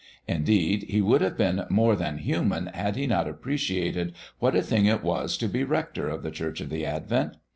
Indeed, he would have been more than human had he not appreciated what a thing it was to be rector of the Church of the Advent.